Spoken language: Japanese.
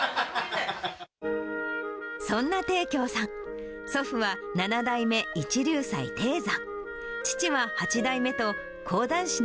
そんな貞鏡さん、祖父は七代目一龍斎貞山。